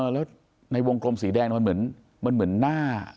แล้วในวงกลมสีแดงมันเหมือนหน้า